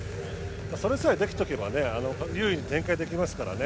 それさえできておけば優位に展開できますから。